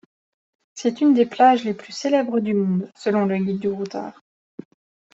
C'est une des plages les plus célèbres du monde selon le Guide du routard.